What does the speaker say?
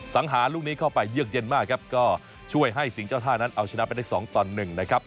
สังหารลูกนี้เข้าไปเยือกเย็นมากครับก็ช่วยให้สิ่งเจ้าท่านั้นเอาชนะไปได้๒ต่อ๑นะครับ